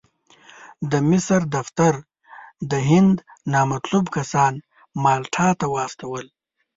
د مصر دفتر د هند نامطلوب کسان مالټا ته واستول.